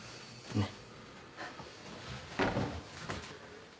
ねっ。